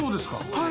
はい。